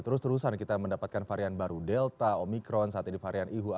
terus terusan kita mendapatkan varian baru delta omikron saat ini varian ihu